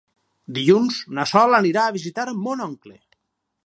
Dilluns na Sol anirà a visitar mon oncle.